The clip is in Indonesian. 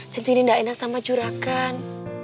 centini enggak enak sama juragan